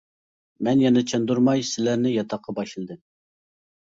مەن يەنە چاندۇرماي سىلەرنى ياتاققا باشلىدىم.